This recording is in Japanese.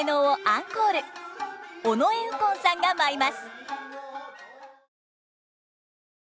尾上右近さんが舞います。